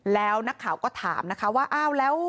แล้วนักข่าวก็ถามนะคะว่าอ้าวแล้ว